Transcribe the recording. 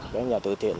các nhà tự thiện